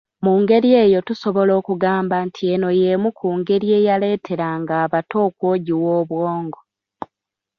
Mu ngeri eyo tusobola okugamba nti eno y’emu ku ngeri eyaleeteranga abato okwogiwa obwongo.